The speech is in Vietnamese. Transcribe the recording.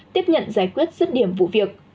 tiếp nhận giải quyết dứt điểm vụ việc